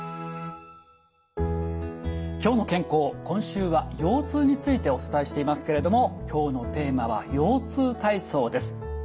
今週は腰痛についてお伝えしていますけれども今日のテーマは腰痛体操です。